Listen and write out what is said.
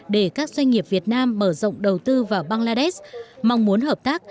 để các doanh nghiệp việt nam mở rộng đầu tư vào bangladesh mong muốn hợp tác